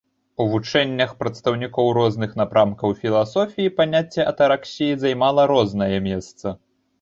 У вучэннях прадстаўнікоў розных напрамкаў філасофіі паняцце атараксіі займала рознае месца.